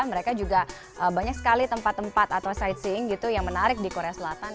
mereka juga banyak sekali tempat tempat atau side sing gitu yang menarik di korea selatan